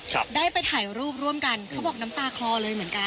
ครับได้ไปถ่ายรูปร่วมกันเขาบอกน้ำตาคลอเลยเหมือนกัน